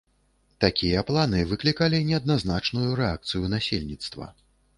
Такія планы выклікалі неадназначную рэакцыю насельніцтва.